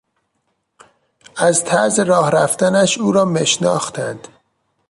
از طرز راه رفتنش او را میشناختند.